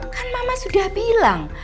kan mama sudah bilang